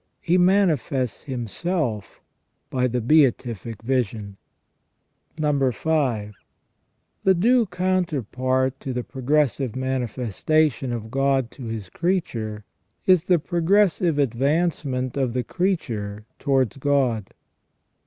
He manifests Himself by the beatific vision. 5. The due counterpart to the progressive manifestation of God to His creature is the progressive advancement of the creature towards God.